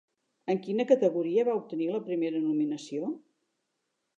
En quina categoria va obtenir la primera nominació?